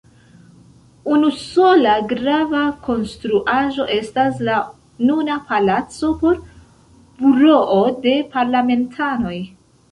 Unusola grava konstruaĵo estas la nuna palaco por buroo de parlamentanoj.